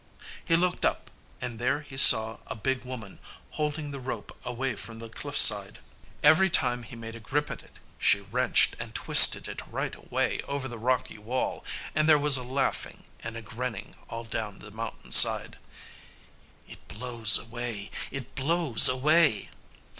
He looked up, and there he saw a big woman holding the rope away from the cliff side. Every time he made a grip at it she wrenched and twisted it right away over the rocky wall, and there was a laughing and a grinning all down the mountain side "It blows away, it blows away!"